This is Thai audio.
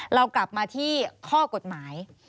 เรากลับมาที่ข้อกฎหมาย